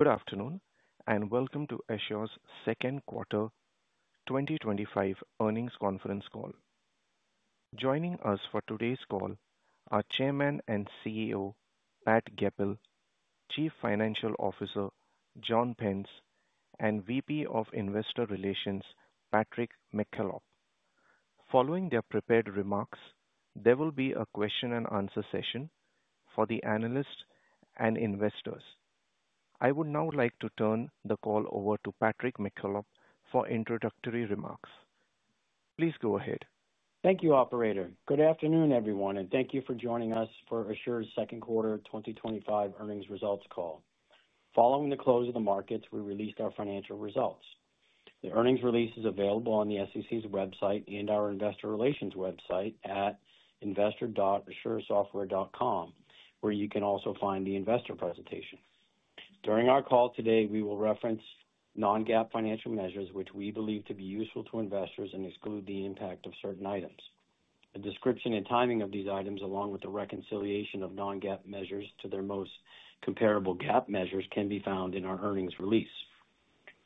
Good afternoon and welcome to Asure Software's second quarter 2025 earnings conference call. Joining us for today's call are Chairman and CEO Pat Goepel, Chief Financial Officer John Pence, and VP of Investor Relations Patrick McKillop. Following their prepared remarks, there will be a question-and-answer session for the analysts and investors. I would now like to turn the call over to Patrick McKillop for introductory remarks. Please go ahead. Thank you, Operator. Good afternoon, everyone, and thank you for joining us for Asure Software's second quarter 2025 earnings results call. Following the close of the markets, we released our financial results. The earnings release is available on the SEC's website and our investor relations website at investor.asuresoftware.com, where you can also find the investor presentation. During our call today, we will reference non-GAAP financial measures, which we believe to be useful to investors and exclude the impact of certain items. The description and timing of these items, along with the reconciliation of non-GAAP measures to their most comparable GAAP measures, can be found in our earnings release.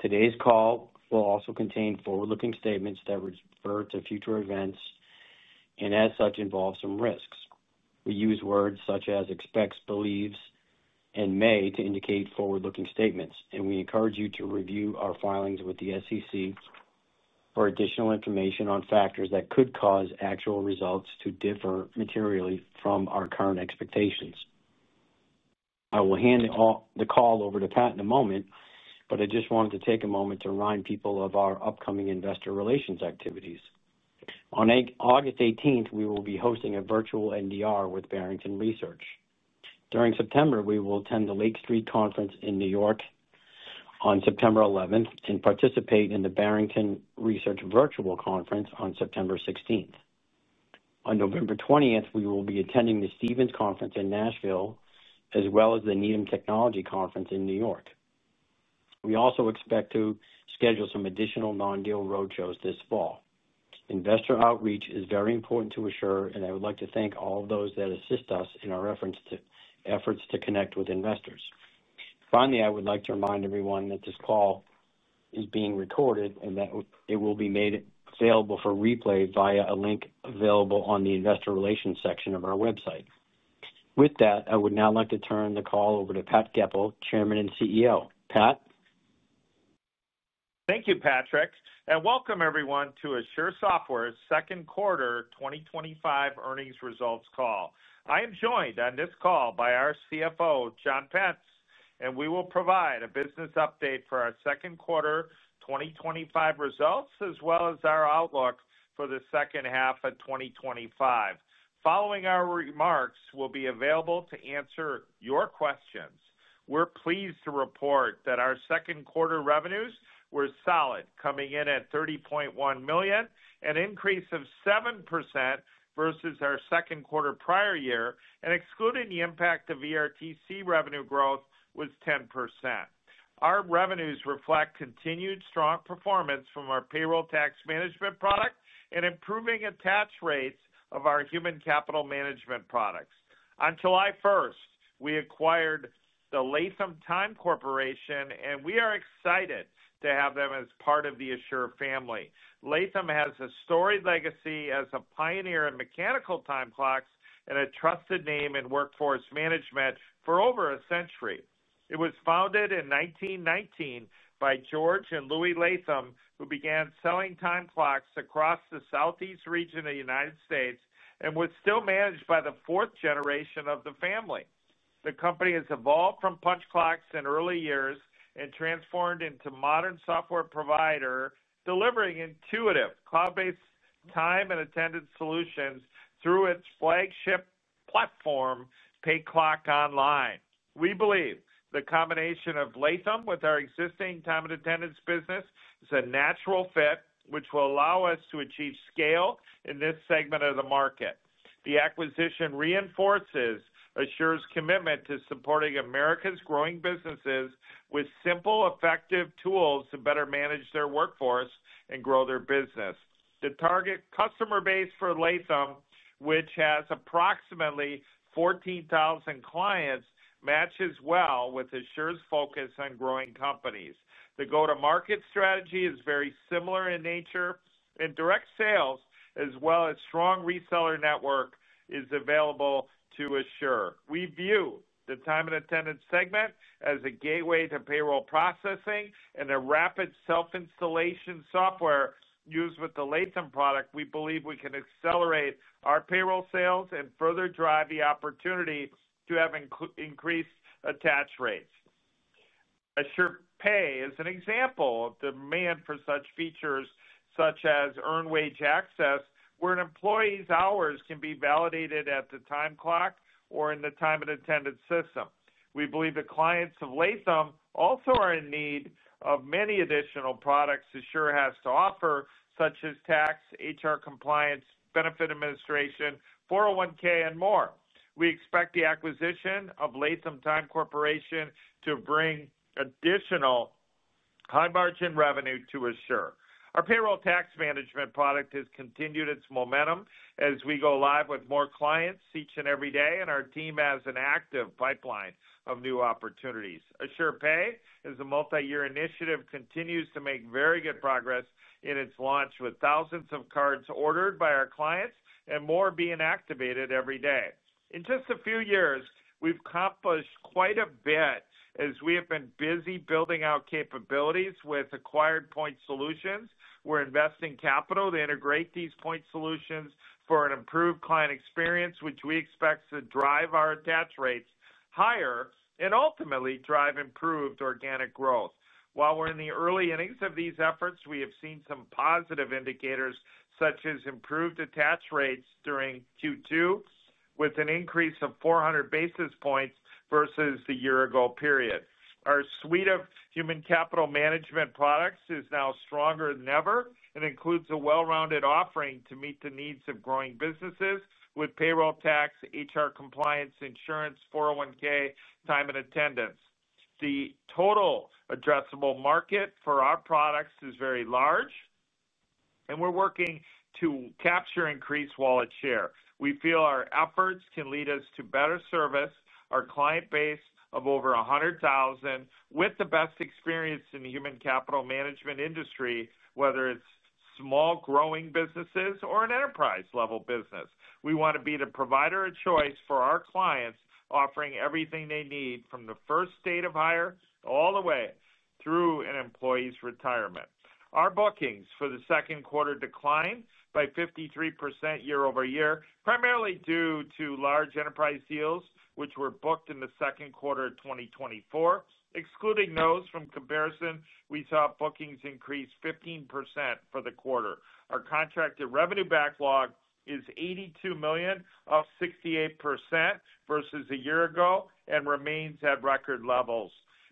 Today's call will also contain forward-looking statements that refer to future events and, as such, involve some risks. We use words such as "expects," "believes," and "may" to indicate forward-looking statements, and we encourage you to review our filings with the SEC for additional information on factors that could cause actual results to differ materially from our current expectations. I will hand the call over to Pat in a moment, but I just wanted to take a moment to remind people of our upcoming investor relations activities. On August 18, we will be hosting a virtual NDR with Barrington Research. During September, we will attend the Lake Street Conference in New York on September 11 and participate in the Barrington Research Virtual Conference on September 16. On November 20, we will be attending the Stephens Conference in Nashville, as well as the Needham Technology Conference in New York. We also expect to schedule some additional non-deal roadshows this fall. Investor outreach is very important to Asure Software, and I would like to thank all of those that assist us in our efforts to connect with investors. Finally, I would like to remind everyone that this call is being recorded and that it will be made available for replay via a link available on the investor relations section of our website. With that, I would now like to turn the call over to Pat Goepel, Chairman and CEO. Pat? Thank you, Patrick, and welcome everyone to Asure Software's second quarter 2025 earnings results call. I am joined on this call by our CFO, John Pence, and we will provide a business update for our second quarter 2025 results, as well as our outlook for the second half of 2025. Following our remarks, we'll be available to answer your questions. We're pleased to report that our second quarter revenues were solid, coming in at $30.1 million, an increase of 7% versus our second quarter prior year, and excluding the impact of ERTC revenue growth was 10%. Our revenues reflect continued strong performance from our payroll tax management product and improving attach rates of our human capital management products. On July 1, we acquired the Latham Time Corporation, and we are excited to have them as part of the Asure family. Latham has a storied legacy as a pioneer in mechanical time clocks and a trusted name in workforce management for over a century. It was founded in 1919 by George and Louis Latham, who began selling time clocks across the southeast region of the United States and was still managed by the fourth generation of the family. The company has evolved from punch clocks in early years and transformed into a modern software provider delivering intuitive cloud-based time and attendance solutions through its flagship platform, PayClock Online. We believe the combination of Latham with our existing time and attendance business is a natural fit, which will allow us to achieve scale in this segment of the market. The acquisition reinforces Asure's commitment to supporting America's growing businesses with simple, effective tools to better manage their workforce and grow their business. The target customer base for Latham, which has approximately 14,000 clients, matches well with Asure's focus on growing companies. The go-to-market strategy is very similar in nature, and direct sales, as well as a strong reseller network, are available to Asure. We view the time and attendance segment as a gateway to payroll processing and a rapid self-installation software used with the Latham product. We believe we can accelerate our payroll sales and further drive the opportunity to have increased attach rates. AsurePay is an example of the demand for such features, such as earned wage access, where an employee's hours can be validated at the time clock or in the time and attendance system. We believe the clients of Latham also are in need of many additional products Asure has to offer, such as tax, HR compliance, benefit administration, 401(k), and more. We expect the acquisition of Latham Time Corporation to bring additional high-margin revenue to Asure. Our payroll tax management product has continued its momentum as we go live with more clients each and every day, and our team has an active pipeline of new opportunities. AsurePay is a multi-year initiative that continues to make very good progress in its launch, with thousands of cards ordered by our clients and more being activated every day. In just a few years, we've accomplished quite a bit as we have been busy building out capabilities with acquired point solutions. We're investing capital to integrate these point solutions for an improved client experience, which we expect to drive our attach rates higher and ultimately drive improved organic growth. While we're in the early innings of these efforts, we have seen some positive indicators, such as improved attach rates during Q2, with an increase of 400 basis points versus the year-ago period. Our suite of human capital management products is now stronger than ever and includes a well-rounded offering to meet the needs of growing businesses with payroll tax, HR compliance, insurance, 401(k), and time and attendance. The total addressable market for our products is very large, and we're working to capture increased wallet share. We feel our efforts can lead us to better service, our client base of over 100,000, with the best experience in the human capital management industry, whether it's small growing businesses or an enterprise-level business. We want to be the provider of choice for our clients, offering everything they need from the first date of hire all the way through an employee's retirement. Our bookings for the second quarter declined by 53% year-over-year, primarily due to large enterprise deals, which were booked in the second quarter of 2024. Excluding those from comparison, we saw bookings increase 15% for the quarter. Our contracted revenue backlog is $82 million, up 68% versus a year ago and remains at record levels.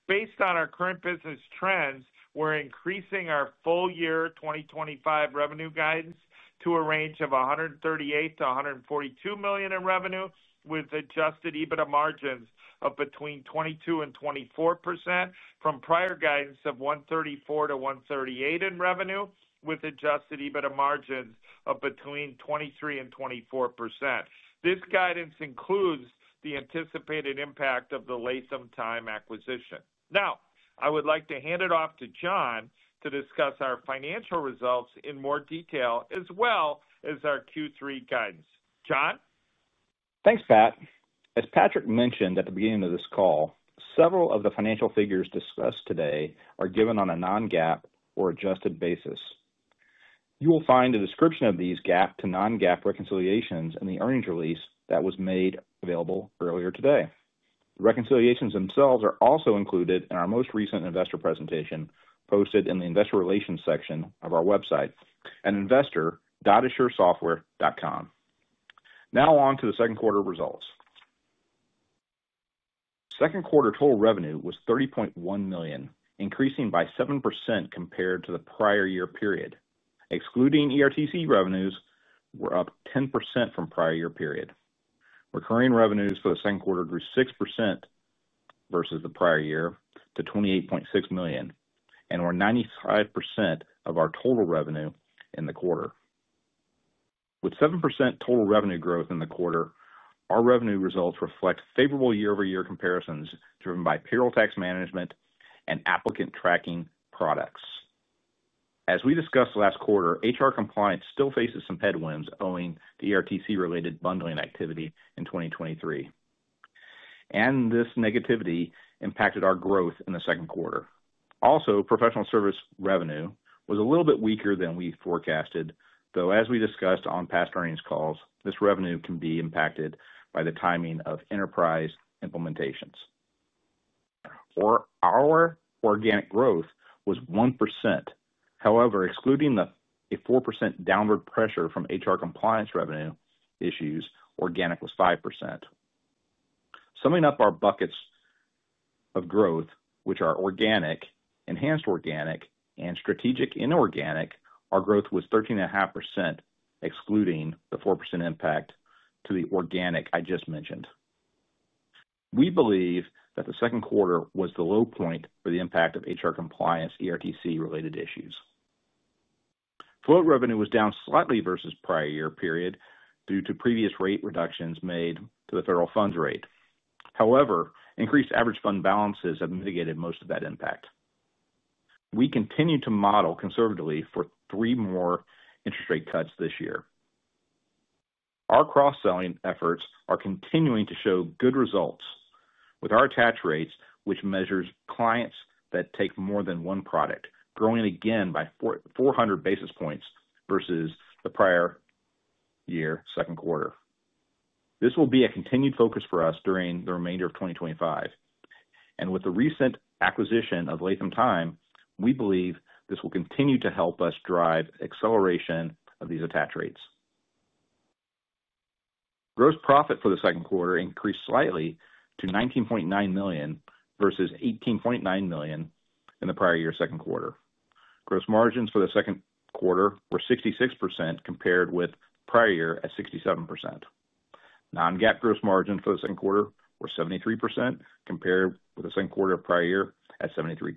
Based on our current business trends, we're increasing our full-year 2025 revenue guidance to a range of $138 million-$142 million in revenue, with adjusted EBITDA margins of between 22% and 24%, from prior guidance of $134 million-$138 million in revenue, with adjusted EBITDA margins of between 23% and 24%. This guidance includes the anticipated impact of the Latham Time acquisition. Now, I would like to hand it off to John to discuss our financial results in more detail, as well as our Q3 guidance. John? Thanks, Pat. As Patrick mentioned at the beginning of this call, several of the financial figures discussed today are given on a non-GAAP or adjusted basis. You will find a description of these GAAP to non-GAAP reconciliations in the earnings release that was made available earlier today. The reconciliations themselves are also included in our most recent investor presentation posted in the investor relations section of our website at investor.asuresoftware.com. Now on to the second quarter results. Second quarter total revenue was $30.1 million, increasing by 7% compared to the prior year period. Excluding ERTC revenues, we're up 10% from prior year period. Recurring revenues for the second quarter grew 6% versus the prior year to $28.6 million and were 95% of our total revenue in the quarter. With 7% total revenue growth in the quarter, our revenue results reflect favorable year-over-year comparisons driven by payroll tax management and applicant tracking products. As we discussed last quarter, HR compliance still faces some headwinds owing to ERTC-related bundling activity in 2023, and this negativity impacted our growth in the second quarter. Also, professional service revenue was a little bit weaker than we forecasted, though as we discussed on past earnings calls, this revenue can be impacted by the timing of enterprise implementations. Our organic growth was 1%. However, excluding the 4% downward pressure from HR compliance revenue issues, organic was 5%. Summing up our buckets of growth, which are organic, enhanced organic, and strategic inorganic, our growth was 13.5%, excluding the 4% impact to the organic I just mentioned. We believe that the second quarter was the low point for the impact of HR compliance ERTC-related issues. Float revenue was down slightly versus prior year period due to previous rate reductions made to the federal funds rate. However, increased average fund balances have mitigated most of that impact. We continue to model conservatively for three more interest rate cuts this year. Our cross-selling efforts are continuing to show good results with our attach rates, which measures clients that take more than one product, growing again by 400 basis points versus the prior year second quarter. This will be a continued focus for us during the remainder of 2025, and with the recent acquisition of Latham Time Corporation, we believe this will continue to help us drive acceleration of these attach rates. Gross profit for the second quarter increased slightly to $19.9 million versus $18.9 million in the prior year second quarter. Gross margins for the second quarter were 66% compared with prior year at 67%. Non-GAAP gross margins for the second quarter were 73% compared with the second quarter of prior year at 73%.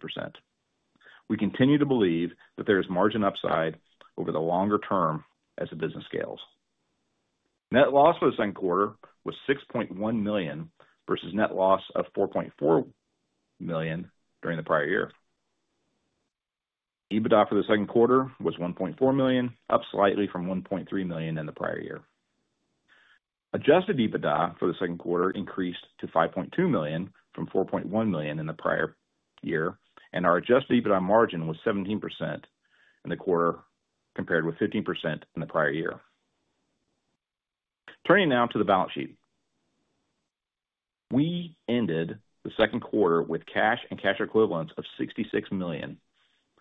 We continue to believe that there is margin upside over the longer term as the business scales. Net loss for the second quarter was $6.1 million versus net loss of $4.4 million during the prior year. EBITDA for the second quarter was $1.4 million, up slightly from $1.3 million in the prior year. Adjusted EBITDA for the second quarter increased to $5.2 million from $4.1 million in the prior year, and our adjusted EBITDA margin was 17% in the quarter compared with 15% in the prior year. Turning now to the balance sheet, we ended the second quarter with cash and cash equivalents of $66 million,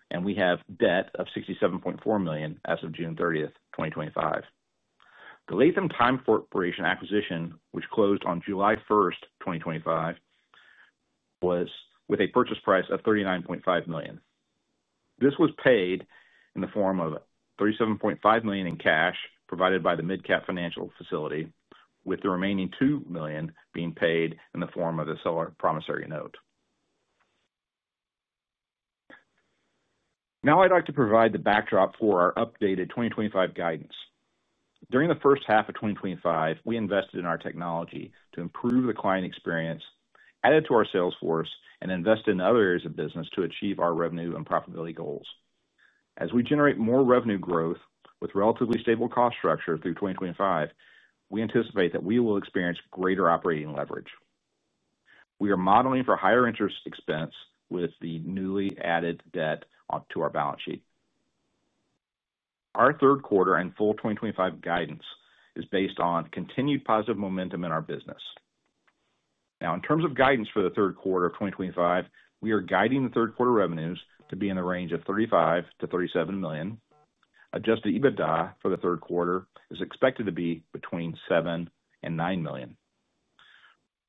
and we have debt of $67.4 million as of June 30, 2025. The Latham Time Corporation acquisition, which closed on July 1, 2025, was with a purchase price of $39.5 million. This was paid in the form of $37.5 million in cash provided by the MidCap Financial Facility, with the remaining $2 million being paid in the form of a seller promissory note. Now I'd like to provide the backdrop for our updated 2025 guidance. During the first half of 2025, we invested in our technology to improve the client experience, added to our sales force, and invested in other areas of business to achieve our revenue and profitability goals. As we generate more revenue growth with relatively stable cost structure through 2025, we anticipate that we will experience greater operating leverage. We are modeling for higher interest expense with the newly added debt onto our balance sheet. Our third quarter and full 2025 guidance is based on continued positive momentum in our business. Now, in terms of guidance for the third quarter of 2025, we are guiding the third quarter revenues to be in the range of $35 million-$37 million. Adjusted EBITDA for the third quarter is expected to be between $7 and $9 million.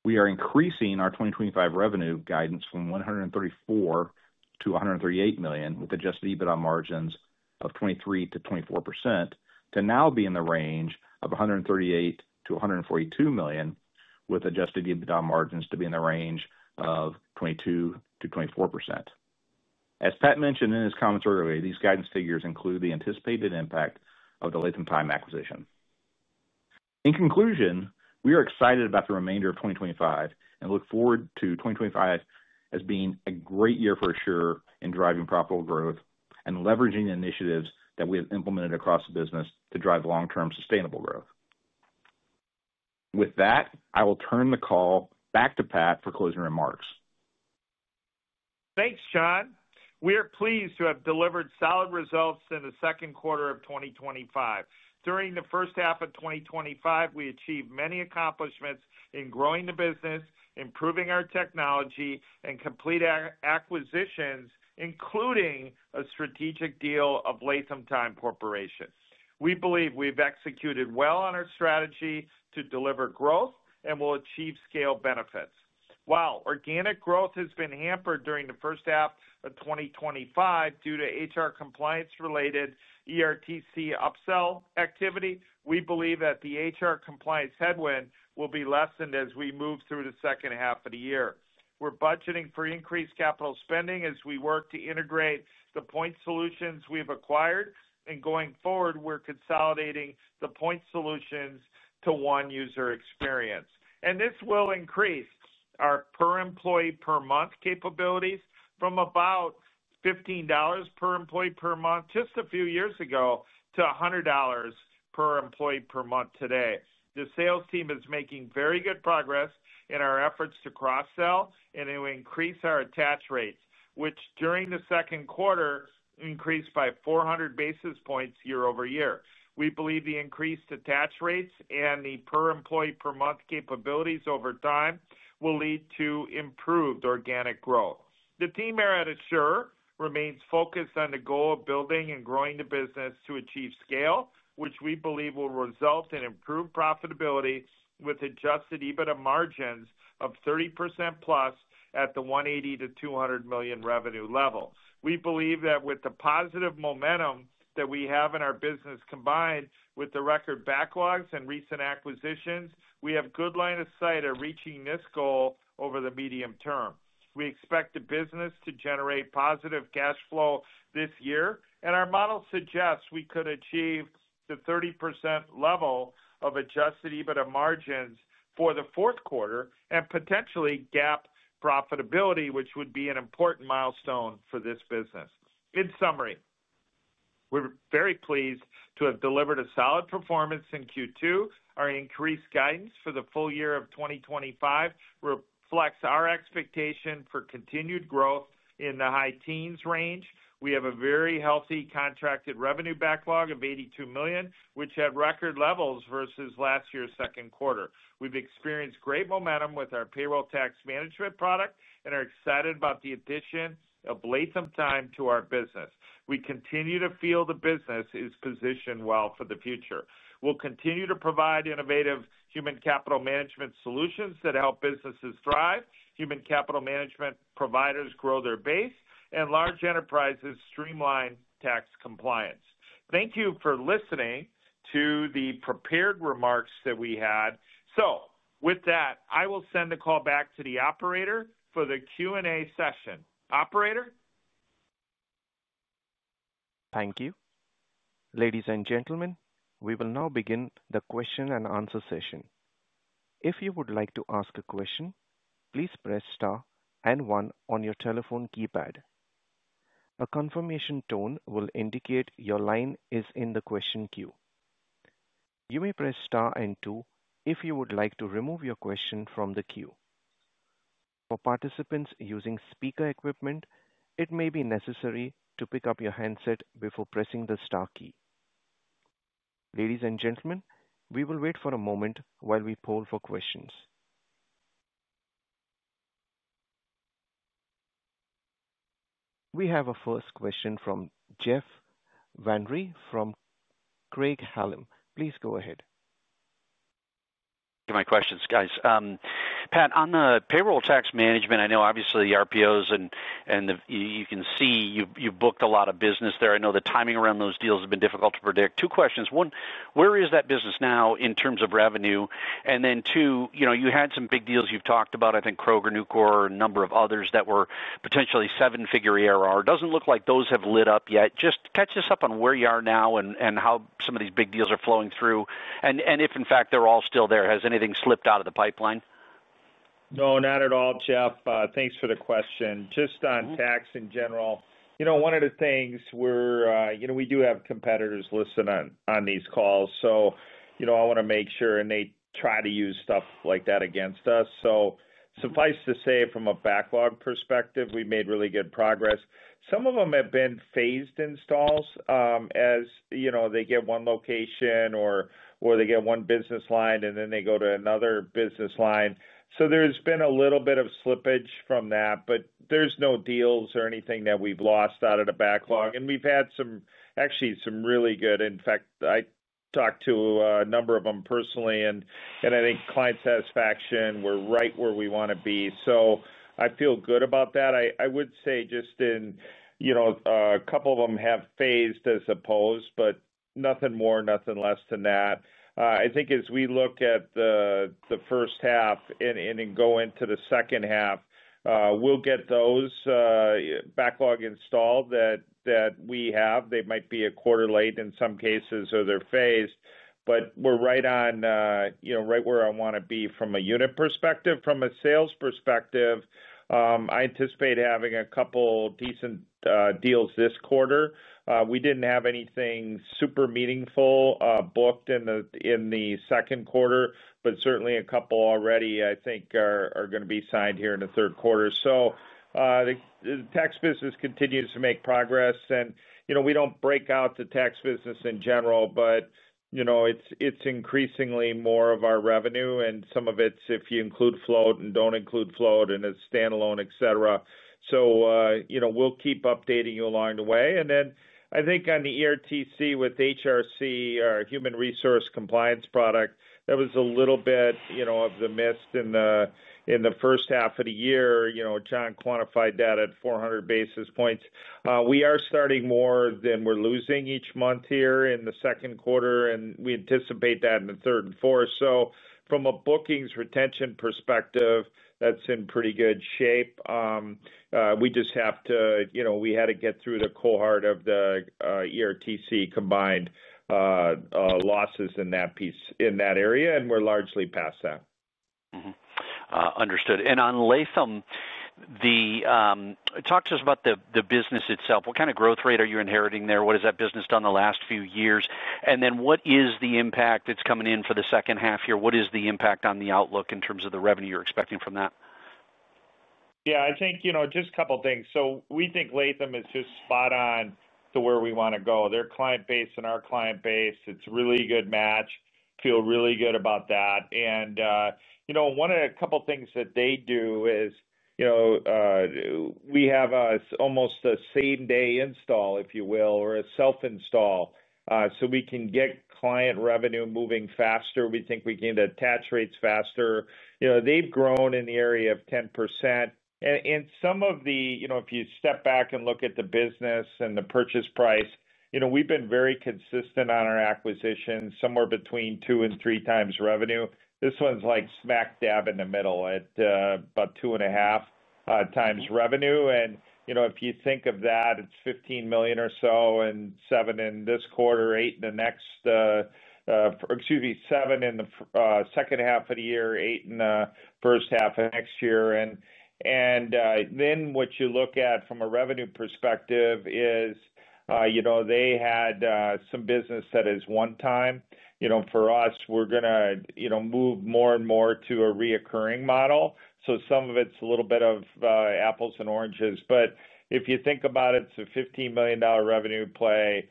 We are increasing our 2025 revenue guidance from $134 million-$138 million, with adjusted EBITDA margins of 23%-24%, to now be in the range of $138 million-$142 million, with adjusted EBITDA margins to be in the range of 22%-24%. As Pat mentioned in his comments earlier, these guidance figures include the anticipated impact of the Latham Time acquisition. In conclusion, we are excited about the remainder of 2024 and look forward to 2025 as being a great year for Asure in driving profitable growth and leveraging the initiatives that we have implemented across the business to drive long-term sustainable growth. With that, I will turn the call back to Pat for closing remarks. Thanks, John. We are pleased to have delivered solid results in the second quarter of 2025. During the first half of 2025, we achieved many accomplishments in growing the business, improving our technology, and completing acquisitions, including a strategic deal of Latham Time Corporation. We believe we've executed well on our strategy to deliver growth and will achieve scale benefits. While organic growth has been hampered during the first half of 2025 due to HR compliance-related ERTC upsell activity, we believe that the HR compliance headwind will be lessened as we move through the second half of the year. We're budgeting for increased capital spending as we work to integrate the point solutions we've acquired, and going forward, we're consolidating the point solutions to one user experience. This will increase our per-employee-per-month capabilities from about $15 per employee per month just a few years ago to $100 per employee per month today. The sales team is making very good progress in our efforts to cross-sell and to increase our attach rates, which during the second quarter increased by 400 basis points year-over-year. We believe the increased attach rates and the per-employee-per-month capabilities over time will lead to improved organic growth. The team here at Asure remains focused on the goal of building and growing the business to achieve scale, which we believe will result in improved profitability with adjusted EBITDA margins of 30%+ at the $180 million-$200 million revenue level. We believe that with the positive momentum that we have in our business, combined with the record backlogs and recent acquisitions, we have a good line of sight at reaching this goal over the medium term. We expect the business to generate positive cash flow this year, and our model suggests we could achieve the 30% level of adjusted EBITDA margins for the fourth quarter and potentially GAAP profitability, which would be an important milestone for this business. In summary, we're very pleased to have delivered a solid performance in Q2. Our increased guidance for the full year of 2025 reflects our expectation for continued growth in the high teens range. We have a very healthy contracted revenue backlog of $82 million, which had record levels versus last year's second quarter. We've experienced great momentum with our payroll tax management product and are excited about the addition of Latham Time to our business. We continue to feel the business is positioned well for the future. We'll continue to provide innovative human capital management solutions that help businesses thrive, human capital management providers grow their base, and large enterprises streamline tax compliance. Thank you for listening to the prepared remarks that we had. With that, I will send the call back to the Operator for the Q&A session. Operator? Thank you. Ladies and gentlemen, we will now begin the question-and-answer session. If you would like to ask a question, please press star and one on your telephone keypad. A confirmation tone will indicate your line is in the question queue. You may press star and two if you would like to remove your question from the queue. For participants using speaker equipment, it may be necessary to pick up your handset before pressing the star key. Ladies and gentlemen, we will wait for a moment while we poll for questions. We have a first question from Jeff Van Rhee from Craig Hallum Capital Group. Please go ahead. Thank you for my questions, guys. Pat, on the payroll tax management, I know obviously the RPOs and you can see you've booked a lot of business there. I know the timing around those deals has been difficult to predict. Two questions. One, where is that business now in terms of revenue? Two, you had some big deals you've talked about, I think Kroger, New Corp, a number of others that were potentially seven-figure ARR. It doesn't look like those have lit up yet. Just catch us up on where you are now and how some of these big deals are flowing through. If in fact they're all still there, has anything slipped out of the pipeline? No, not at all, Jeff. Thanks for the question. Just on tax in general, you know, one of the things we're, you know, we do have competitors listen on these calls. I want to make sure and they try to use stuff like that against us. Suffice to say, from a backlog perspective, we've made really good progress. Some of them have been phased installs, as you know, they get one location or they get one business line and then they go to another business line. There's been a little bit of slippage from that, but there's no deals or anything that we've lost out of the backlog. We've had some, actually some really good, in fact, I talked to a number of them personally and I think client satisfaction, we're right where we want to be. I feel good about that. I would say just in, you know, a couple of them have phased as opposed, but nothing more, nothing less than that. I think as we look at the first half and go into the second half, we'll get those backlog installed that we have. They might be a quarter late in some cases or they're phased, but we're right on, you know, right where I want to be from a unit perspective. From a sales perspective, I anticipate having a couple decent deals this quarter. We didn't have anything super meaningful booked in the second quarter, but certainly a couple already, I think, are going to be signed here in the third quarter. The tax business continues to make progress and, you know, we don't break out the tax business in general, but, you know, it's increasingly more of our revenue and some of it's, if you include float and don't include float and it's standalone, et cetera. We'll keep updating you along the way. On the ERTC with HRC, our human resource compliance product, that was a little bit of the mist in the first half of the year. John quantified that at 400 basis points. We are starting more than we're losing each month here in the second quarter and we anticipate that in the third and fourth. From a bookings retention perspective, that's in pretty good shape. We just have to, you know, we had to get through the cohort of the ERTC combined, losses in that piece, in that area, and we're largely past that. Understood. On Latham, talk to us about the business itself. What kind of growth rate are you inheriting there? What has that business done the last few years? What is the impact that's coming in for the second half here? What is the impact on the outlook in terms of the revenue you're expecting from that? Yeah, I think, you know, just a couple of things. We think Latham is just spot on to where we want to go. Their client base and our client base, it's a really good match. Feel really good about that. One of the couple of things that they do is, you know, we have almost a same-day install, if you will, or a self-install, so we can get client revenue moving faster. We think we can get attach rates faster. They've grown in the area of 10%. If you step back and look at the business and the purchase price, we've been very consistent on our acquisitions, somewhere between two and three times revenue. This one's like smack dab in the middle at about two and a half times revenue. If you think of that, it's $15 million or so, and $7 million in this quarter, $8 million in the next, or excuse me, $7 million in the second half of the year, $8 million in the first half of next year. What you look at from a revenue perspective is, they had some business that is one-time. For us, we're going to move more and more to a recurring model. Some of it's a little bit of apples and oranges. If you think about it, it's a $15 million revenue play,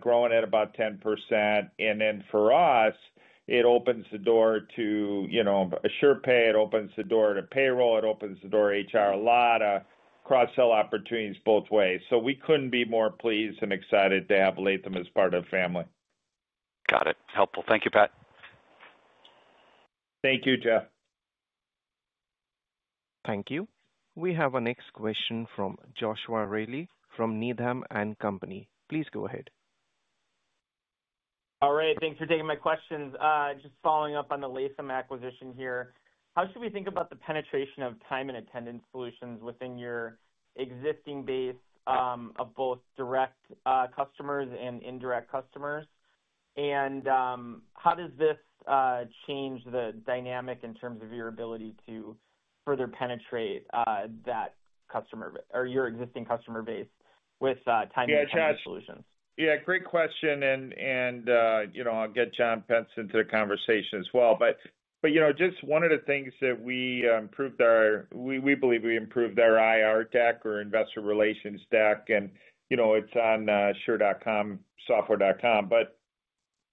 growing at about 10%. For us, it opens the door to AsurePay, it opens the door to payroll, it opens the door to HR, a lot of cross-sell opportunities both ways. We couldn't be more pleased and excited to have Latham as part of the family. Got it. Helpful. Thank you, Pat. Thank you, Jeff. Thank you. We have our next question from Joshua Reilly from Needham & Company. Please go ahead. All right, thanks for taking my questions. Just following up on the Latham acquisition here. How should we think about the penetration of time and attendance solutions within your existing base, of both direct customers and indirect customers? How does this change the dynamic in terms of your ability to further penetrate that customer or your existing customer base with time? Yeah, great question. You know, I'll get John Pence into the conversation as well. One of the things that we improved, we believe we improved our IR deck or investor relations deck, and it's on asure.com, software.com.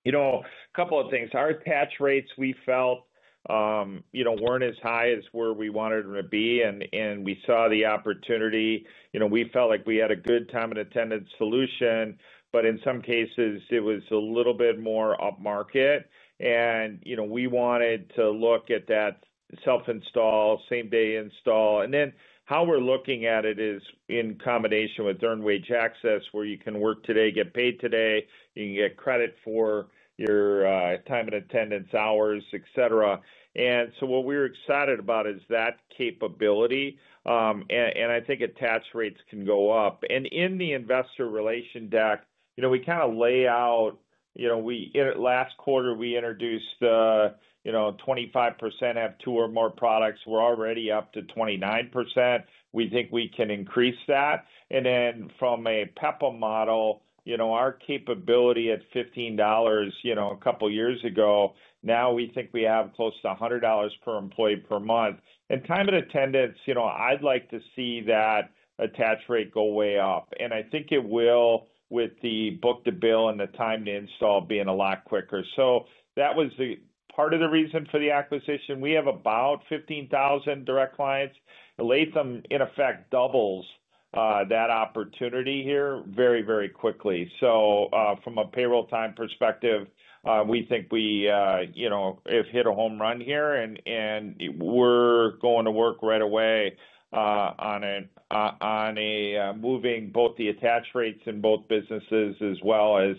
A couple of things. Our attach rates, we felt, weren't as high as where we wanted them to be. We saw the opportunity. We felt like we had a good time and attendance solution, but in some cases it was a little bit more upmarket. We wanted to look at that self-install, same-day install. How we're looking at it is in combination with earned wage access, where you can work today, get paid today, you can get credit for your time and attendance hours, et cetera. What we're excited about is that capability. I think attach rates can go up. In the investor relation deck, we kind of lay out, last quarter we introduced the 25% have two or more products. We're already up to 29%. We think we can increase that. From a PEPM model, our capability at $15 a couple of years ago, now we think we have close to $100 per employee per month. Time and attendance, I'd like to see that attach rate go way up. I think it will with the book to bill and the time to install being a lot quicker. That was the part of the reason for the acquisition. We have about 15,000 direct clients. Latham, in effect, doubles that opportunity here very, very quickly. From a payroll time perspective, we think we have hit a home run here and we're going to work right away on moving both the attach rates in both businesses as well as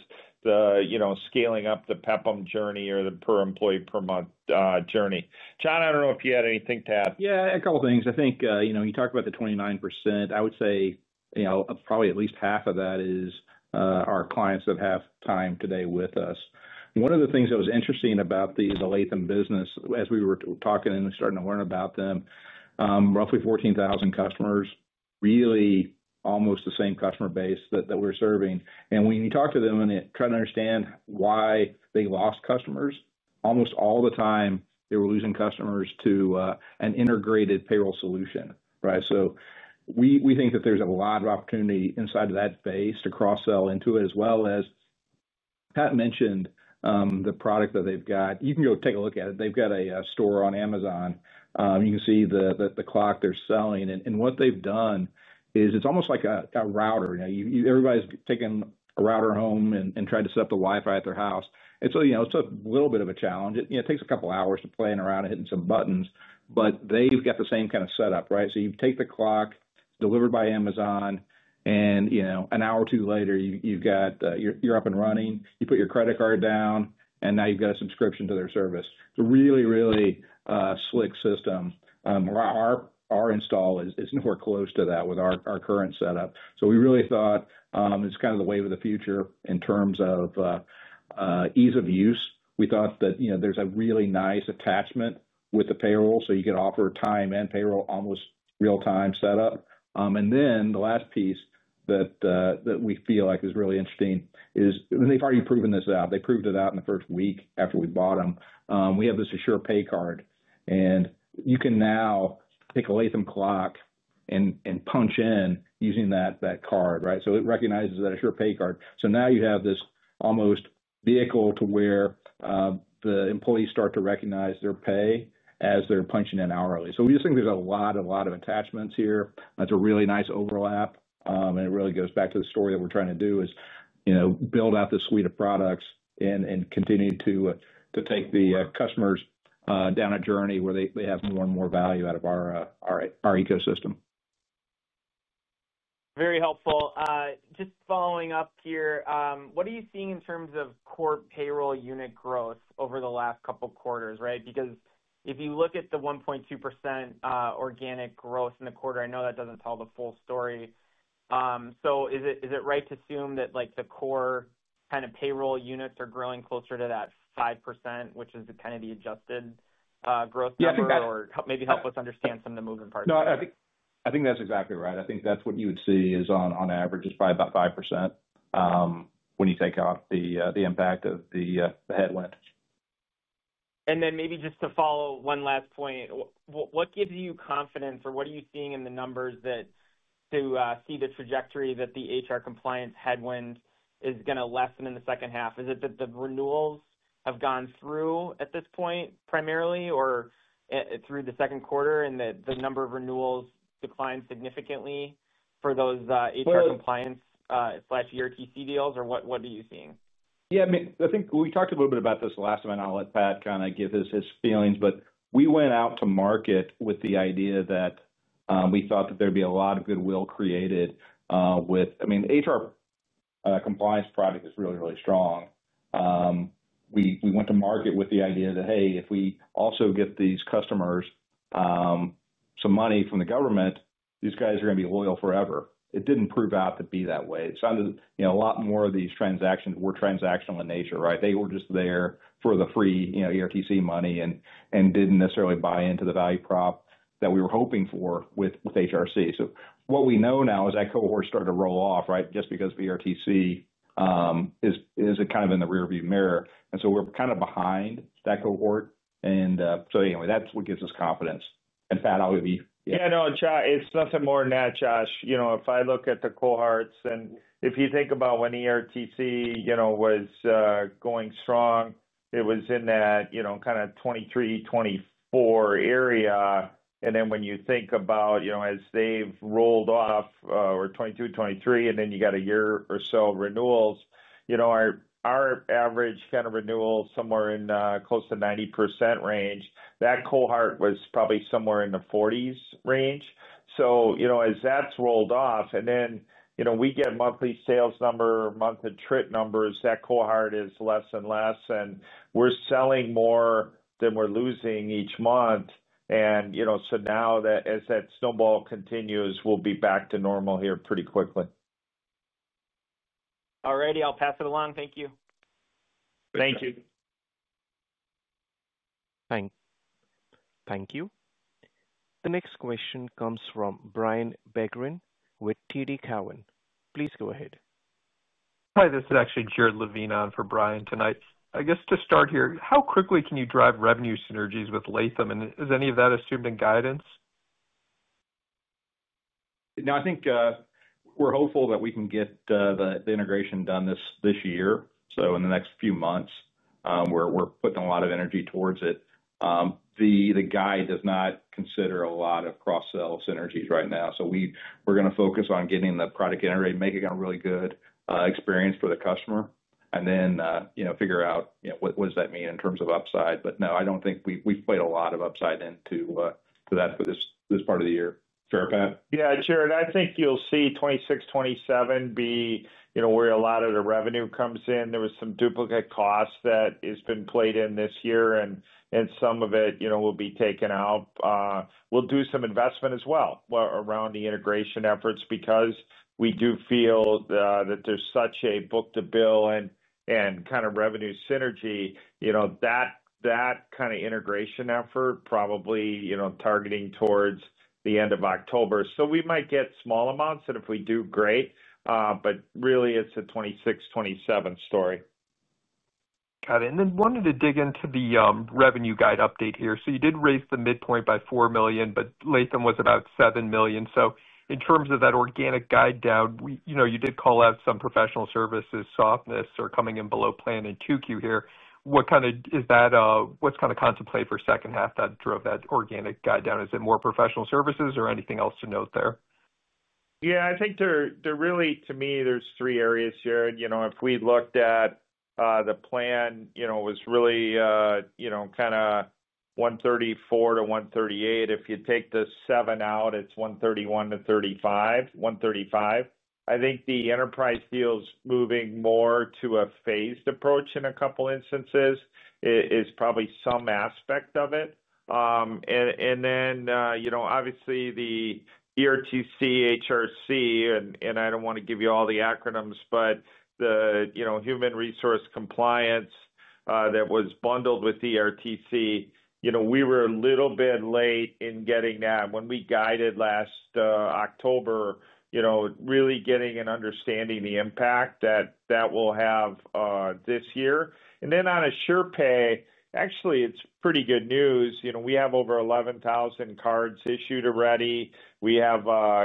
scaling up the PEPM journey or the per employee per month journey. John, I don't know if you had anything to add. Yeah, a couple of things. I think, you know, you talk about the 29%. I would say, you know, probably at least half of that is our clients that have time today with us. One of the things that was interesting about the Latham business as we were talking and starting to learn about them, roughly 14,000 customers, really almost the same customer base that we're serving. When you talk to them and try to understand why they lost customers, almost all the time they were losing customers to an integrated payroll solution. Right? We think that there's a lot of opportunity inside of that base to cross-sell into it, as well as Pat mentioned, the product that they've got. You can go take a look at it. They've got a store on Amazon. You can see the clock they're selling. What they've done is it's almost like a router. You know, everybody's taken a router home and tried to set up the Wi-Fi at their house. It's a little bit of a challenge. It takes a couple of hours to play around and hitting some buttons, but they've got the same kind of setup. Right? You take the clock delivered by Amazon and, you know, an hour or two later, you're up and running. You put your credit card down and now you've got a subscription to their service. It's a really, really slick system. Our install is nowhere close to that with our current setup. We really thought it's kind of the wave of the future in terms of ease of use. We thought that, you know, there's a really nice attachment with the payroll. You can offer time and payroll almost real-time setup. The last piece that we feel like is really interesting is, and they've already proven this out. They proved it out in the first week after we bought them. We have this AsurePay card and you can now take a Latham clock and punch in using that card. Right? It recognizes that AsurePay card. Now you have this almost vehicle to where the employees start to recognize their pay as they're punching in hourly. We just think there's a lot, a lot of attachments here. That's a really nice overlap. It really goes back to the story that we're trying to do is, you know, build out the suite of products and continue to take the customers down a journey where they have more and more value out of our ecosystem. Very helpful. Just following up here, what are you seeing in terms of core payroll unit growth over the last couple of quarters? Right? Because if you look at the 1.2% organic growth in the quarter, I know that doesn't tell the full story. Is it right to assume that like the core kind of payroll units are growing closer to that 5%, which is the kind of the adjusted growth? Yeah, I think that's. Maybe help us understand some of the moving parts. I think that's exactly right. I think that's what you would see is on average is probably about 5% when you take out the impact of the headwind. What gives you confidence or what are you seeing in the numbers to see the trajectory that the HR compliance headwind is going to lessen in the second half? Is it that the renewals have gone through at this point primarily or through the second quarter and that the number of renewals declined significantly for those HR compliance/ERTC deals or what are you seeing? Yeah, I mean, I think we talked a little bit about this the last time. I'll let Pat kind of give his feelings, but we went out to market with the idea that we thought that there'd be a lot of goodwill created, with, I mean, the HR compliance product is really, really strong. We went to market with the idea that, hey, if we also get these customers some money from the government, these guys are going to be loyal forever. It didn't prove out to be that way. It sounded, you know, a lot more of these transactions were transactional in nature. Right? They were just there for the free, you know, ERTC money and didn't necessarily buy into the value prop that we were hoping for with HR compliance. What we know now is that cohort started to roll off, right? Just because ERTC is kind of in the rearview mirror. We're kind of behind that cohort. That's what gives us confidence. And Pat, I'll give you. Yeah, no, and it's nothing more than that, Josh. You know, if I look at the cohorts and if you think about when ERTC was going strong, it was in that kind of 2023, 2024 area. If you think about as they've rolled off, or 2022, 2023, and then you got a year or so renewals, our average kind of renewal is somewhere in, close to 90% range. That cohort was probably somewhere in the 40% range. As that's rolled off, we get monthly sales number, monthly trick numbers, that cohort is less and less, and we're selling more than we're losing each month. Now that as that snowball continues, we'll be back to normal here pretty quickly. All righty, I'll pass it along. Thank you. Thank you. Thank you. The next question comes from Brian Begrin with TD Cowen. Please go ahead. Hi, this is actually Jared Levine on for Brian tonight. I guess to start here, how quickly can you drive revenue synergies with Latham? Is any of that assumed in guidance? No, I think we're hopeful that we can get the integration done this year. In the next few months, we're putting a lot of energy towards it. The guide does not consider a lot of cross-sell synergies right now. We're going to focus on getting the product integrated, make it a really good experience for the customer, and then figure out what does that mean in terms of upside. No, I don't think we've played a lot of upside into that this part of the year. Fair, Pat? Yeah, Jared, I think you'll see 2026, 2027 be, you know, where a lot of the revenue comes in. There was some duplicate cost that has been played in this year, and some of it, you know, will be taken out. We'll do some investment as well around the integration efforts because we do feel that there's such a book-to-bill and kind of revenue synergy, you know, that kind of integration effort probably, you know, targeting towards the end of October. We might get small amounts and if we do great, but really it's a 2026, 2027 story. Got it. I wanted to dig into the revenue guide update here. You did raise the midpoint by $4 million, but Latham was about $7 million. In terms of that organic guide down, you did call out some professional services softness or coming in below plan in Q2 here. What is contemplated for the second half that drove that organic guide down? Is it more professional services or anything else to note there? Yeah, I think there are really, to me, three areas here. You know, if we looked at the plan, you know, it was really kind of $134 million-$138 million. If you take the $7 million out, it's $131 million-$135 million. I think the enterprise deals moving more to a phased approach in a couple of instances is probably some aspect of it. Then, you know, obviously the ERTC, HRC, and I don't want to give you all the acronyms, but the, you know, human resource compliance, that was bundled with ERTC, you know, we were a little bit late in getting that when we guided last October, you know, really getting an understanding of the impact that that will have this year. On AsurePay, actually, it's pretty good news. You know, we have over 11,000 cards issued already. We have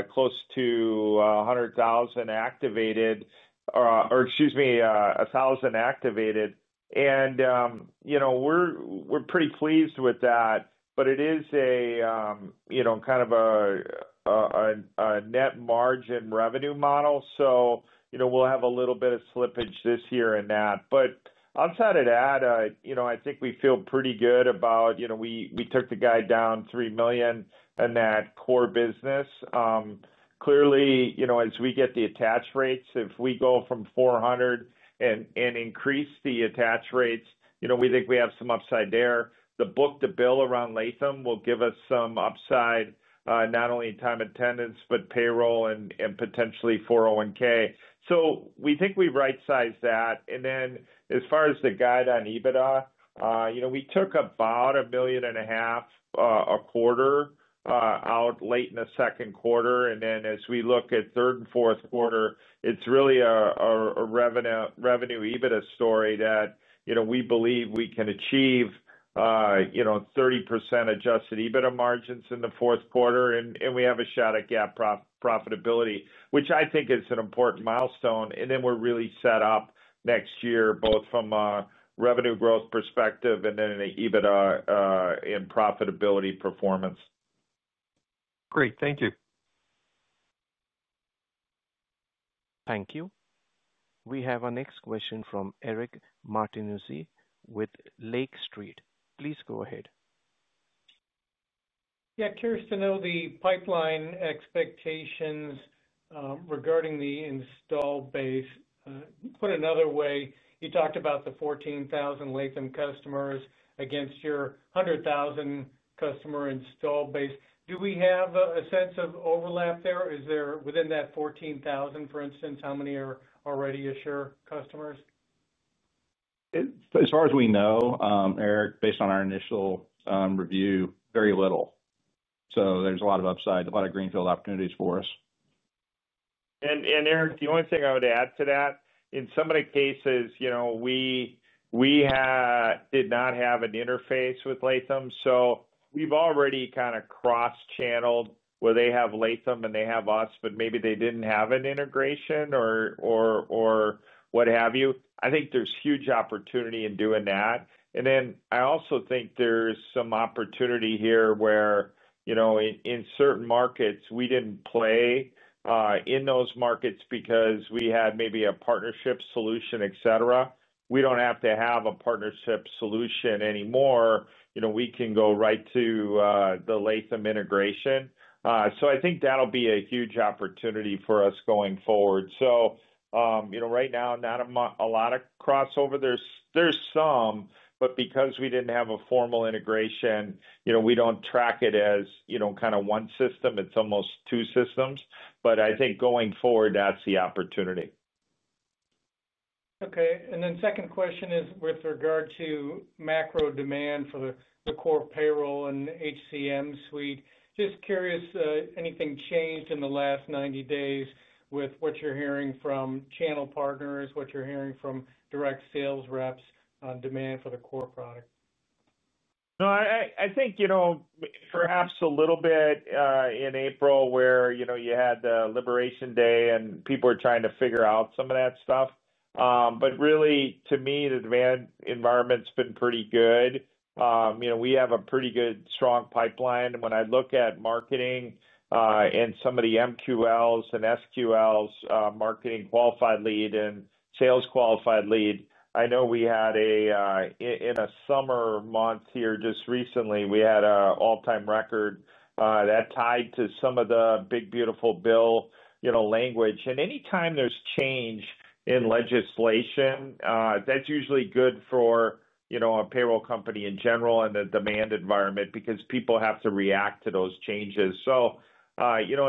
close to 1,000 activated. You know, we're pretty pleased with that. It is a net margin revenue model, so we'll have a little bit of slippage this year in that. Outside of that, I think we feel pretty good about, you know, we took the guide down $3 million in that core business. Clearly, as we get the attach rates, if we go from 400 and increase the attach rates, we think we have some upside there. The book-to-bill around Latham will give us some upside, not only in time and attendance, but payroll and potentially 401(k). We think we right-sized that. As far as the guide on EBITDA, we took about $1.5 million a quarter out late in the second quarter. As we look at third and fourth quarter, it's really a revenue, revenue EBITDA story that we believe we can achieve, you know, 30% adjusted EBITDA margins in the fourth quarter. We have a shot at GAAP profitability, which I think is an important milestone. We're really set up next year, both from a revenue growth perspective and then an EBITDA and profitability performance. Great, thank you. Thank you. We have our next question from Eric Martinuzzi with Lake Street. Please go ahead. Yeah, curious to know the pipeline expectations regarding the install base. Put another way, you talked about the 14,000 Latham customers against your 100,000 customer install base. Do we have a sense of overlap there? Is there within that 14,000, for instance, how many are already Asure customers? As far as we know, Eric, based on our initial review, very little. There is a lot of upside, a lot of greenfield opportunities for us. Eric, the only thing I would add to that, in so many cases, we did not have an interface with Latham. We've already kind of cross-channeled where they have Latham and they have us, but maybe they didn't have an integration or what have you. I think there's huge opportunity in doing that. I also think there's some opportunity here where, in certain markets, we didn't play in those markets because we had maybe a partnership solution, et cetera. We don't have to have a partnership solution anymore. We can go right to the Latham integration. I think that'll be a huge opportunity for us going forward. Right now, not a lot of crossover. There's some, but because we didn't have a formal integration, we don't track it as one system. It's almost two systems. I think going forward, that's the opportunity. Okay. Second question is with regard to macro demand for the core payroll and HCM suite. Just curious, anything changed in the last 90 days with what you're hearing from channel partners, what you're hearing from direct sales reps on demand for the core product? I think, you know, perhaps a little bit, in April where, you know, you had the Liberation Day and people were trying to figure out some of that stuff, but really, to me, the demand environment's been pretty good. You know, we have a pretty good, strong pipeline. When I look at marketing, and some of the MQLs and SQLs, marketing qualified lead and sales qualified lead, I know we had, in a summer month here just recently, an all-time record that tied to some of the Big Beautiful Bill language. Anytime there's change in legislation, that's usually good for, you know, a payroll company in general and the demand environment because people have to react to those changes.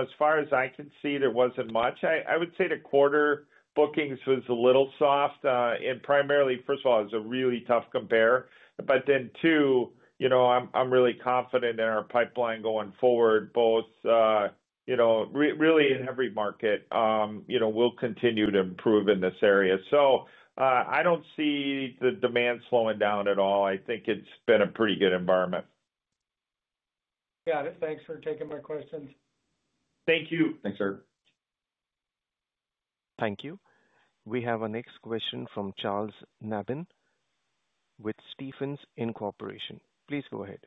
As far as I can see, there wasn't much. I would say the quarter bookings was a little soft, and primarily, first of all, it was a really tough compare. Then, you know, I'm really confident in our pipeline going forward, both, you know, really in every market, you know, we'll continue to improve in this area. I don't see the demand slowing down at all. I think it's been a pretty good environment. Got it. Thanks for taking my questions. Thank you. Thanks, sir. Thank you. We have our next question from Charles Nabhan with Stephens. Please go ahead.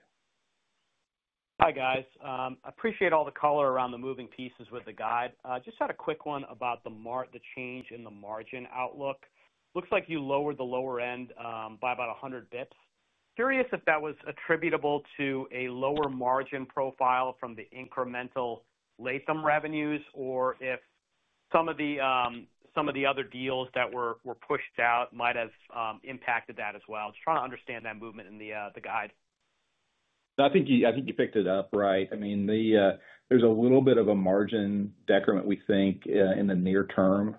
Hi guys. I appreciate all the color around the moving pieces with the guide. I just had a quick one about the margin, the change in the margin outlook. Looks like you lowered the lower end by about 100 basis points. Curious if that was attributable to a lower margin profile from the incremental Latham revenues or if some of the other deals that were pushed out might have impacted that as well. Just trying to understand that movement in the guide. No. I think you picked it up right. There's a little bit of a margin decrement we think, in the near term,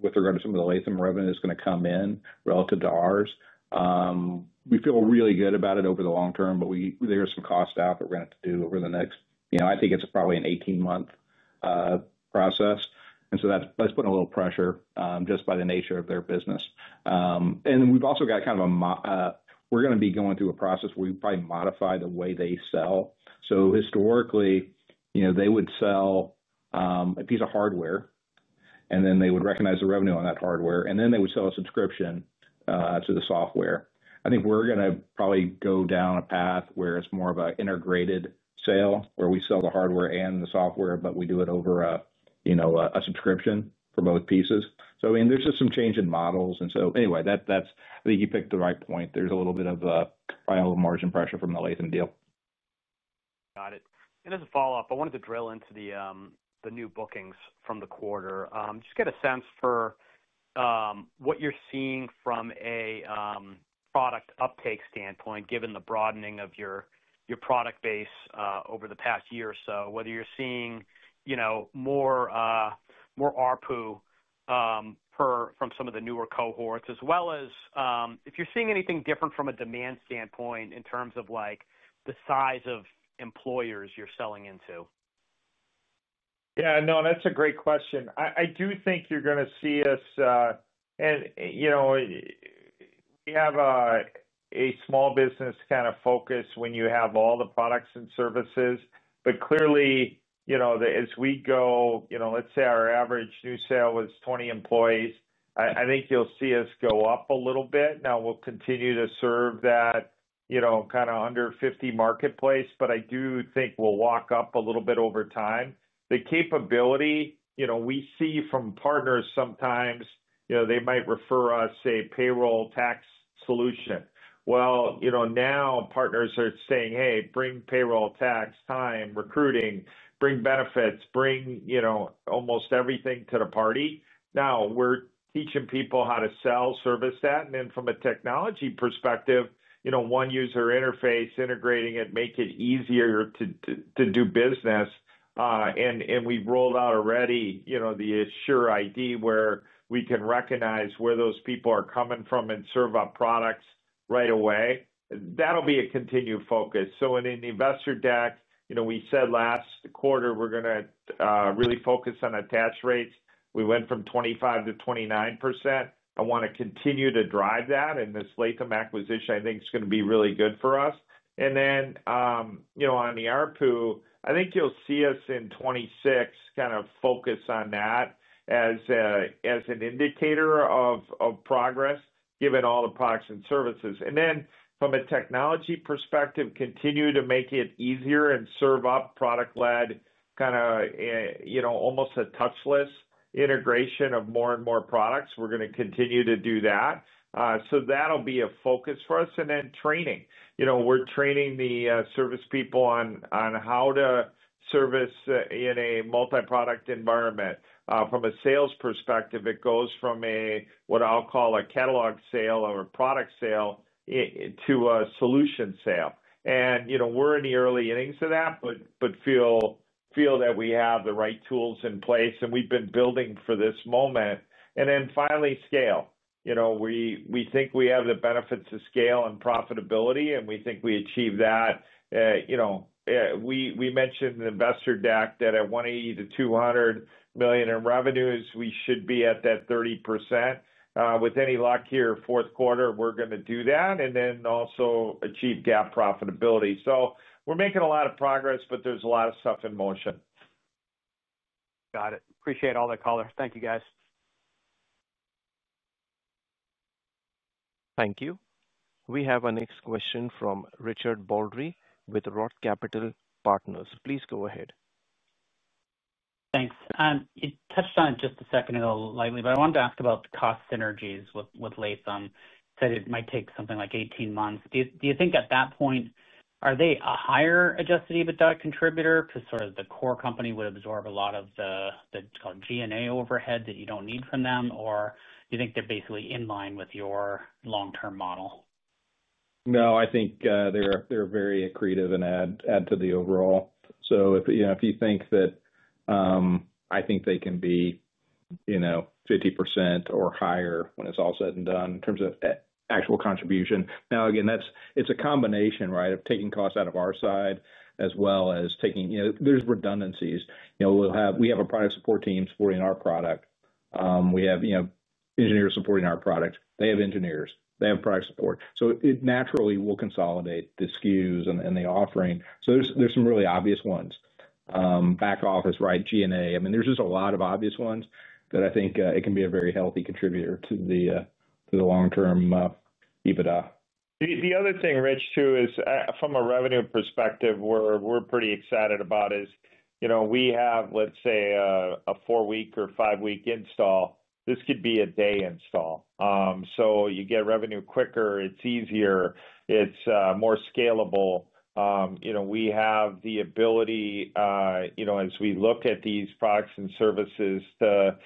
with regard to some of the Latham revenue that's going to come in relative to ours. We feel really good about it over the long term, but there's some costs out that we're going to have to do over the next, you know, I think it's probably an 18-month process. That's putting a little pressure, just by the nature of their business. We've also got kind of a, we're going to be going through a process where we probably modify the way they sell. Historically, they would sell a piece of hardware, and then they would recognize the revenue on that hardware, and then they would sell a subscription to the software. I think we're going to probably go down a path where it's more of an integrated sale where we sell the hardware and the software, but we do it over a subscription for both pieces. There's just some change in models. I think you picked the right point. There's a little bit of, probably a little margin pressure from the Latham deal. Got it. As a follow-up, I wanted to drill into the new bookings from the quarter. Just get a sense for what you're seeing from a product uptake standpoint, given the broadening of your product base over the past year or so, whether you're seeing more ARPU from some of the newer cohorts, as well as if you're seeing anything different from a demand standpoint in terms of the size of employers you're selling into. Yeah, no, that's a great question. I do think you're going to see us, and, you know, we have a small business kind of focus when you have all the products and services. Clearly, as we go, let's say our average new sale was 20 employees. I think you'll see us go up a little bit. Now we'll continue to serve that, you know, kind of under 50 marketplace, but I do think we'll walk up a little bit over time. The capability we see from partners sometimes, you know, they might refer us to a payroll tax management solution. Now partners are saying, "Hey, bring payroll, tax, time, recruiting, bring benefits, bring, you know, almost everything to the party." Now we're teaching people how to sell, service that, and then from a technology perspective, one user interface, integrating it, make it easier to do business. We've rolled out already, you know, the Asure ID where we can recognize where those people are coming from and serve our products right away. That'll be a continued focus. In an investor deck, you know, we said last quarter we're going to really focus on attach rates. We went from 25% to 29%. I want to continue to drive that in this Latham acquisition. I think it's going to be really good for us. On the ARPU, I think you'll see us in 2026 kind of focus on that as an indicator of progress, given all the products and services. From a technology perspective, continue to make it easier and serve up product-led kind of, you know, almost a touchless integration of more and more products. We're going to continue to do that. That'll be a focus for us. Training, you know, we're training the service people on how to service in a multi-product environment. From a sales perspective, it goes from what I'll call a catalog sale or a product sale to a solution sale. We're in the early innings of that, but feel that we have the right tools in place and we've been building for this moment. Finally, scale. We think we have the benefits of scale and profitability, and we think we achieve that. You know, we mentioned the investor deck that at $180 million-$200 million in revenues, we should be at that 30%. With any luck here, fourth quarter, we're going to do that and then also achieve GAAP profitability. We're making a lot of progress, but there's a lot of stuff in motion. Got it. Appreciate all the color. Thank you, guys. Thank you. We have our next question from Richard Baldry with Roth Capital Partners. Please go ahead. Thanks. You touched on it just a second ago, lightly, but I wanted to ask about the cost synergies with Latham. You said it might take something like 18 months. Do you think at that point, are they a higher adjusted EBITDA contributor because sort of the core company would absorb a lot of the G&A overhead that you don't need from them, or do you think they're basically in line with your long-term model? No, I think they're very accretive and add to the overall. If you think that, I think they can be 50% or higher when it's all said and done in terms of actual contribution. Now, again, that's a combination, right, of taking costs out of our side as well as taking, you know, there's redundancies. We'll have a product support team supporting our product. We have engineers supporting our product. They have engineers. They have product support. It naturally will consolidate the SKUs and the offering. There's some really obvious ones. Back office, right, G&A. I mean, there's just a lot of obvious ones that I think can be a very healthy contributor to the long-term EBITDA. The other thing, Rich, too, is from a revenue perspective, we're pretty excited about is, you know, we have, let's say, a four-week or five-week install. This could be a day install, so you get revenue quicker. It's easier. It's more scalable. You know, we have the ability, you know, as we look at these products and services to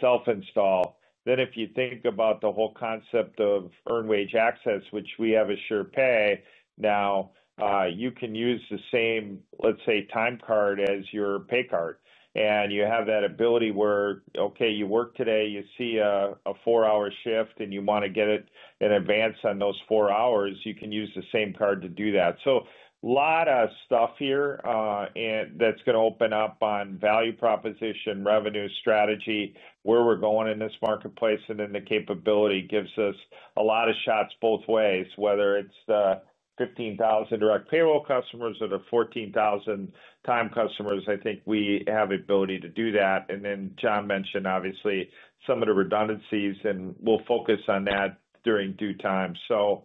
self-install. If you think about the whole concept of earned wage access, which we have AsurePay, now, you can use the same, let's say, time card as your pay card. You have that ability where, okay, you work today, you see a four-hour shift and you want to get it in advance on those four hours, you can use the same card to do that. A lot of stuff here, and that's going to open up on value proposition, revenue strategy, where we're going in this marketplace, and then the capability gives us a lot of shots both ways, whether it's the 15,000 direct payroll customers or the 14,000 time customers. I think we have the ability to do that. John mentioned, obviously, some of the redundancies, and we'll focus on that during due time. Good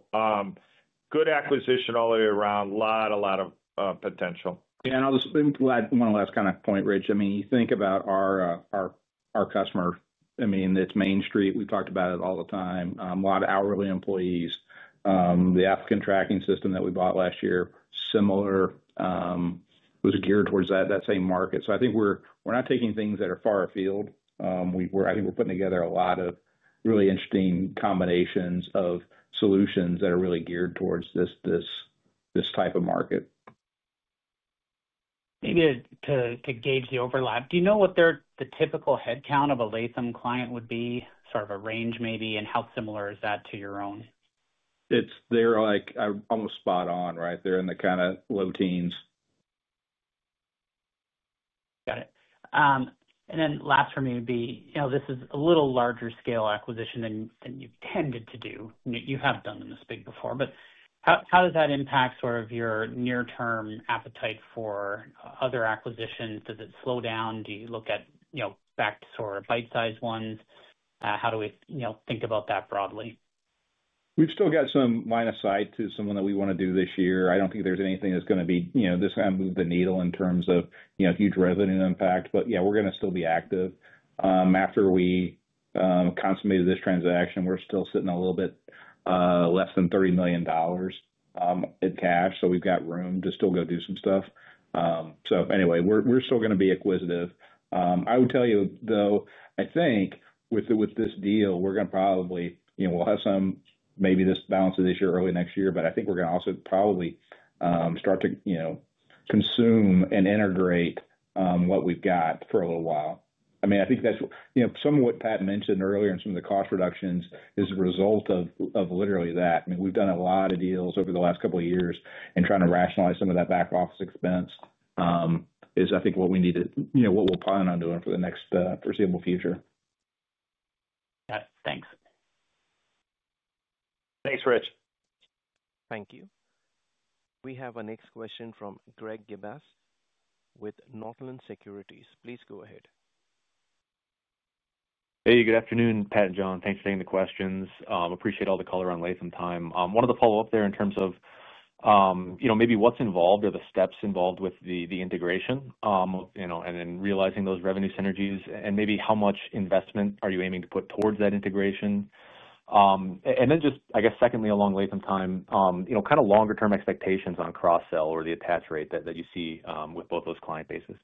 acquisition all the way around. A lot, a lot of potential. Yeah, I'm glad, one last kind of point, Rich. I mean, you think about our customer. I mean, it's Main Street. We've talked about it all the time. A lot of hourly employees. The tracking system that we bought last year, similar, was geared towards that same market. I think we're not taking things that are far afield. I think we're putting together a lot of really interesting combinations of solutions that are really geared towards this type of market. To gauge the overlap, do you know what the typical headcount of a Latham client would be, sort of a range maybe, and how similar is that to your own? They're like, I'm almost spot on, right? They're in the kind of low teens. Got it. And then last for me would be, you know, this is a little larger scale acquisition than you tended to do. You have done this big before, but how does that impact sort of your near-term appetite for other acquisitions? Does it slow down? Do you look at, you know, back to sort of bite-size ones? How do we, you know, think about that broadly? We've still got some line of sight to someone that we want to do this year. I don't think there's anything that's going to, you know, move the needle in terms of, you know, huge revenue impact. Yeah, we're going to still be active. After we consummated this transaction, we're still sitting a little bit less than $30 million in cash. We've got room to still go do some stuff. We're still going to be acquisitive. I would tell you, though, I think with this deal, we're going to probably, you know, we'll have some, maybe this balances this year, early next year, but I think we're going to also probably start to, you know, consume and integrate what we've got for a little while. I mean, I think that's, you know, some of what Pat mentioned earlier and some of the cost reductions is a result of literally that. We've done a lot of deals over the last couple of years and trying to rationalize some of that back office expense is, I think, what we need to, you know, what we'll plan on doing for the next foreseeable future. Got it. Thanks. Thanks, Rich. Thank you. We have our next question from Greg Gibas with Northland Securities. Please go ahead. Hey, good afternoon, Pat and John. Thanks for taking the questions. Appreciate all the color on Latham Time. One of the follow-ups there in terms of maybe what's involved or the steps involved with the integration, and then realizing those revenue synergies and maybe how much investment are you aiming to put towards that integration? Then just, I guess, secondly, along Latham Time, kind of longer-term expectations on cross-sell or the attach rate that you see with both those client bases.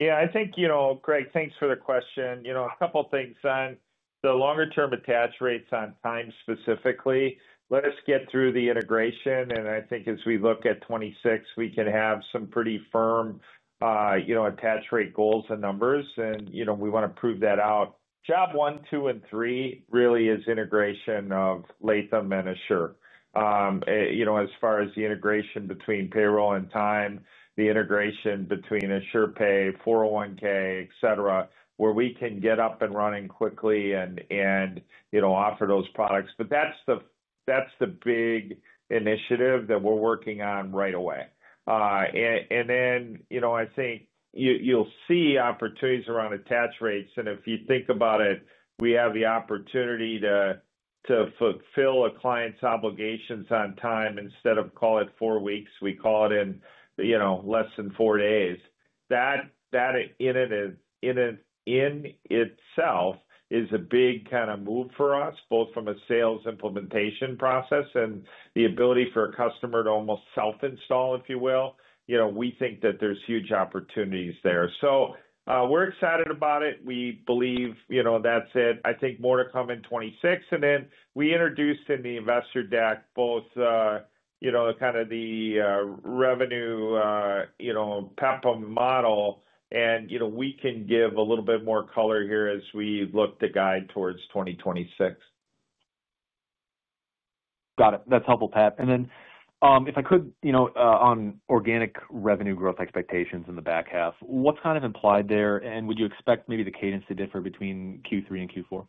Yeah, I think, you know, Greg, thanks for the question. You know, a couple of things on the longer-term attach rates on time specifically. Let us get through the integration. I think as we look at 2026, we can have some pretty firm, you know, attach rate goals and numbers. You know, we want to prove that out. Job one, two, and three really is integration of Latham and Asure. You know, as far as the integration between payroll and time, the integration between AsurePay, 401(k), et cetera, where we can get up and running quickly and, you know, offer those products. That's the big initiative that we're working on right away. You know, I think you'll see opportunities around attach rates. If you think about it, we have the opportunity to fulfill a client's obligations on time instead of, call it, four weeks. We call it, you know, less than four days. That in itself is a big kind of move for us, both from a sales implementation process and the ability for a customer to almost self-install, if you will. You know, we think that there's huge opportunities there. We're excited about it. We believe, you know, that's it. I think more to come in 2026. We introduced in the investor deck both, you know, kind of the revenue, you know, PEPM model. You know, we can give a little bit more color here as we look to guide towards 2026. Got it. That's helpful, Pat. If I could, on organic revenue growth expectations in the back half, what's kind of implied there? Would you expect maybe the cadence to differ between Q3 and Q4?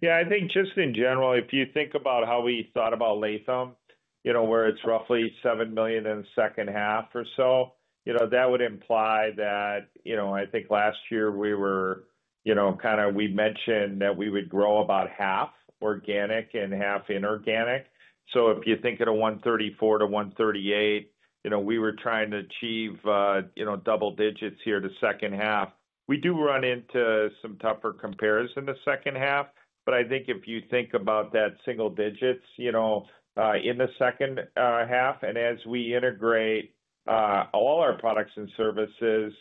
Yeah, I think just in general, if you think about how we thought about Latham, where it's roughly $7 million in the second half or so, that would imply that, I think last year we were, kind of, we mentioned that we would grow about half organic and half inorganic. If you think of the $134 million-$138 million, we were trying to achieve double digits here in the second half. We do run into some tougher comparison in the second half. I think if you think about that single digits in the second half, and as we integrate all our products and services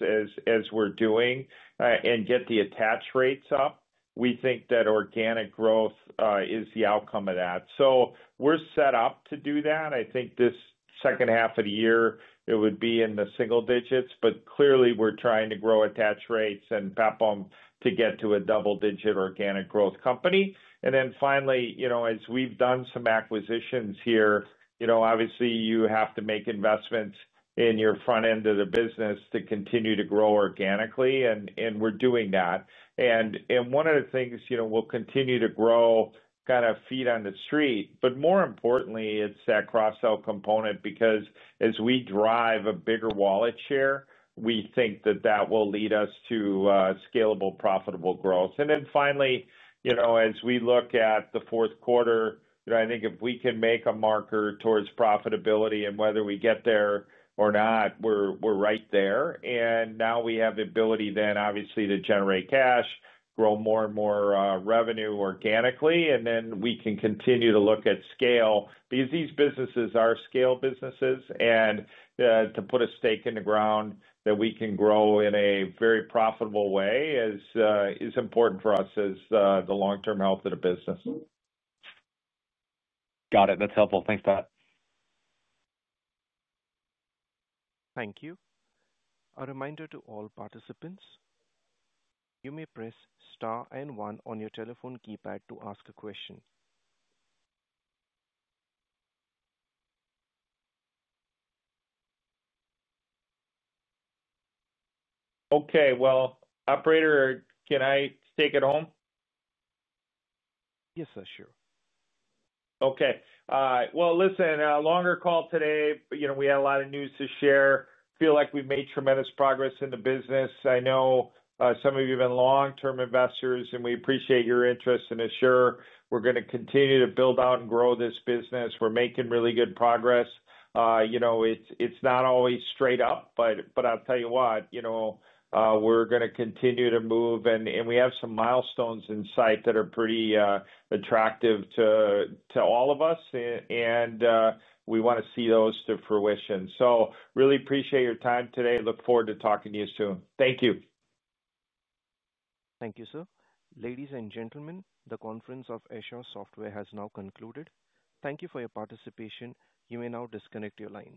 as we're doing, and get the attach rates up, we think that organic growth is the outcome of that. We're set up to do that. I think this second half of the year, it would be in the single digits, but clearly we're trying to grow attach rates and PEPM to get to a double-digit organic growth company. Finally, as we've done some acquisitions here, obviously you have to make investments in your front end of the business to continue to grow organically, and we're doing that. One of the things, we'll continue to grow kind of feet on the street, but more importantly, it's that cross-sell component because as we drive a bigger wallet share, we think that that will lead us to scalable, profitable growth. Finally, as we look at the fourth quarter, I think if we can make a marker towards profitability and whether we get there or not, we're right there. Now we have the ability then obviously to generate cash, grow more and more revenue organically. We can continue to look at scale because these businesses are scale businesses. To put a stake in the ground that we can grow in a very profitable way is important for us as the long-term health of the business. Got it. That's helpful. Thanks, Pat. Thank you. A reminder to all participants, you may press star and one on your telephone keypad to ask a question. Okay, operator, can I take it home? Yes, sir, sure. Okay. Listen, a longer call today. We had a lot of news to share. Feel like we've made tremendous progress in the business. I know some of you have been long-term investors, and we appreciate your interest in Asure. We're going to continue to build out and grow this business. We're making really good progress. It's not always straight up, but I'll tell you what, we're going to continue to move. We have some milestones in sight that are pretty attractive to all of us. We want to see those to fruition. Really appreciate your time today. Look forward to talking to you soon. Thank you. Thank you, sir. Ladies and gentlemen, the conference of Asure Software has now concluded. Thank you for your participation. You may now disconnect your line.